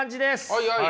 はいはい。